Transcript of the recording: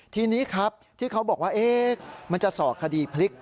ทีนี้ครับที่เขาบอกว่ามันจะสอกคดีพลิก